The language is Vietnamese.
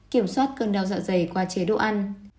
kiểm soát cơn đau dạ dày qua chế độ ăn